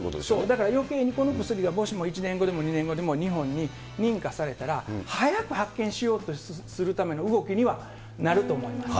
これが１年後でも２年後にでも日本に認可されたら、早く発見しようとするための動きにはなると思います。